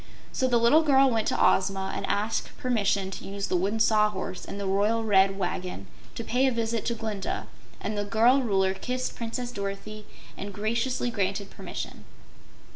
So the little girl went to Ozma and asked permission to use the Wooden Sawhorse and the royal Red Wagon to pay a visit to Glinda, and the girl Ruler kissed Princess Dorothy and graciously granted permission.